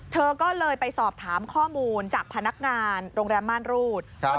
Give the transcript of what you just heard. เธอก็เลยไปสอบถามข้อมูลจากพนักงานโรงแรมม่านรูด